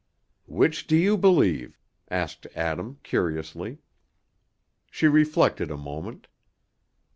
"Which do you believe?" asked Adam, curiously. She reflected a moment.